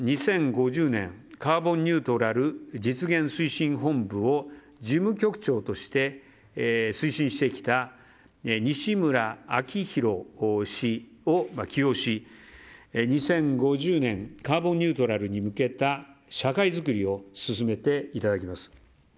２０５０年カーボンニュートラル実現推進本部の事務局長として推進してきた西村明宏氏を起用し２０５０年カーボンニュートラルに向けた社会づくりを進めていただきます。